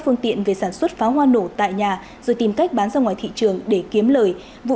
phương tiện về sản xuất pháo hoa nổ tại nhà rồi tìm cách bán ra ngoài thị trường để kiếm lời